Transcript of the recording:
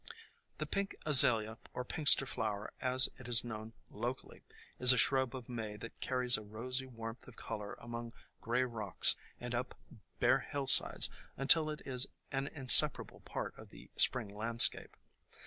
The Pink Azalea, or Pinxter flower, as it is known locally, is a shrub of May that carries a rosy warmth of color among gray rocks and up bare hill sides until it is an inseparable part of the Spring landscape.